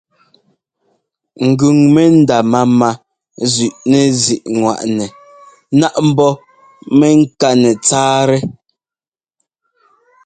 Ŋgʉŋ mɛndá máma zʉꞌnɛzíꞌŋwaꞌnɛ náꞌ ḿbɔ́ mɛŋká nɛtsáatɛ.